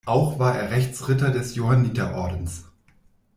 Auch war er Rechtsritter des Johanniterordens.